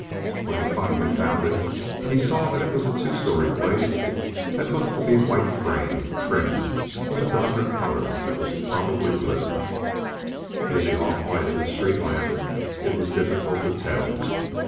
When he finally found it, he saw that it was a two story place that looked to be white frame, trimmed with a darker color that was probably blue. In the off light from the street lamp, it was difficult to tell.